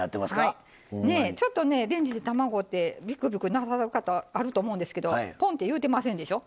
ちょっとレンジで卵ってびくびくなさる方あると思うんですけどポンって言うてませんでしょ。